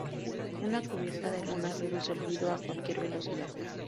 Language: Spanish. Una cubierta de lona reduce el ruido a cualquier velocidad.